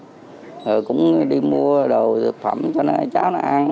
rồi cũng đi mua đồ thực phẩm cho cháu nó ăn